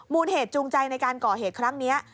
เหตุจูงใจในการก่อเหตุครั้งนี้